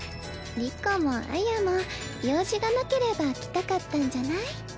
莉子も絢も用事がなければ来たかったんじゃない？